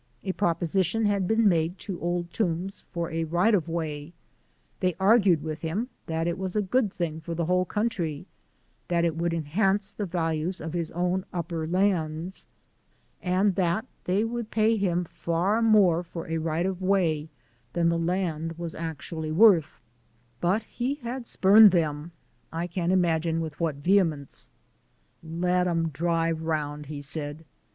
A proposition had been made to Old Toombs for a right of way; they argued with him that it was a good thing for the whole country, that it would enhance the values of his own upper lands, and that they would pay him far more for a right of way than the land was actually worth, but he had spurned them I can imagine with what vehemence. "Let 'em drive round," he said.